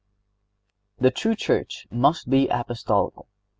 The true Church must be Apostolical.